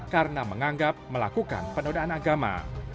karena menganggap melakukan penodaan agama